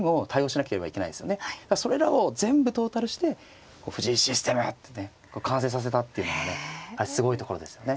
それらを全部トータルして藤井システムってね完成させたっていうのはねすごいところですよね。